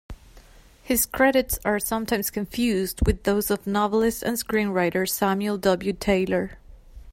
His credits are sometimes confused with those of novelist and screenwriter Samuel W. Taylor.